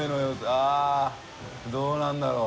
あぁどうなんだろう？